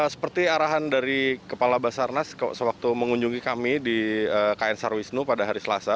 seperti arahan dari kepala basarnas sewaktu mengunjungi kami di kn sarwisnu pada hari selasa